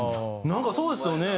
なんかそうですよね？